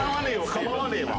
構わねえわ！